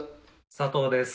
佐藤です。